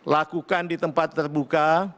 lakukan di tempat terbuka